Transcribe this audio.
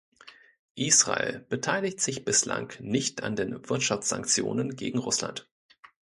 Israel beteiligt sich bislang nicht an den Wirtschaftssanktionen gegen Russland.